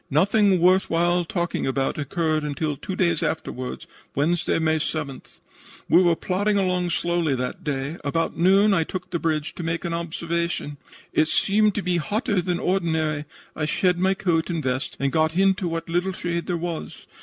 Nothing worth while talking about occurred until two days afterward Wednesday, May 7th. "We were plodding along slowly that day. About noon I took the bridge to make an observation. It seemed to be hotter than ordinary. I shed my coat and vest and got into what little shade there was.